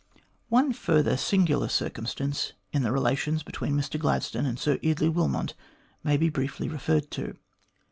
One further singular circumstance in the relations between Mr Gladstone and Sir Eardley Wilmot may be briefly referred to.